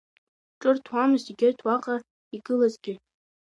Ҿырҭуамызт егьырҭ уаҟа игылазгьы.